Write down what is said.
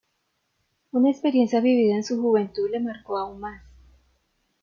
Una experiencia vivida en su juventud le marcó aún más.